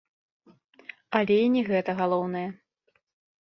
Але і не гэта галоўнае.